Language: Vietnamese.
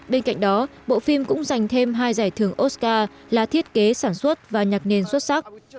bên cạnh đó bộ phim cũng dành thêm hai giải thưởng oscar là thiết kế sản xuất và nhạc nền xuất sắc